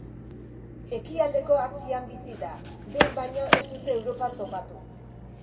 Ekialdeko Asian bizi da, behin baino ez dute Europan topatu.